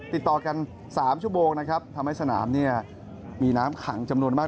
ติดต่อกัน๓ชั่วโมงนะครับทำให้สนามเนี่ยมีน้ำขังจำนวนมาก